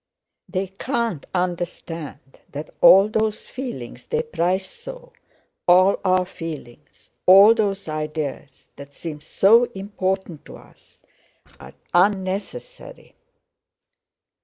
They can't understand that all those feelings they prize so—all our feelings, all those ideas that seem so important to us, are unnecessary.